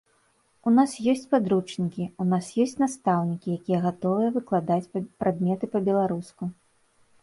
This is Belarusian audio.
У нас ёсць падручнікі, у нас ёсць настаўнікі, якія гатовыя выкладаць прадметы па беларуску.